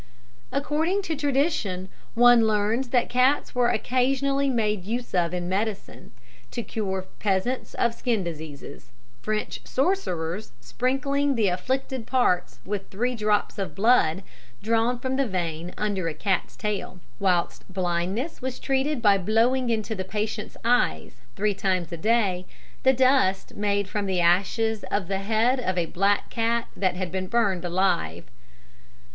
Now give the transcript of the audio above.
According to tradition, one learns that cats were occasionally made use of in medicine; to cure peasants of skin diseases, French sorcerers sprinkling the afflicted parts with three drops of blood drawn from the vein under a cat's tail; whilst blindness was treated by blowing into the patient's eyes, three times a day, the dust made from ashes of the head of a black cat that had been burned alive.